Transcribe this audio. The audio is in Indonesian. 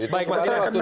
baik mas ina